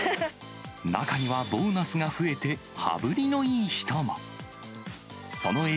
中には、ボーナスが増えて羽振りのいい人も。